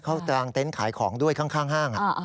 กลางเต็นต์ขายของด้วยข้างห้าง